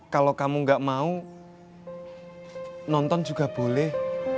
kalau kamu gak mau nonton juga boleh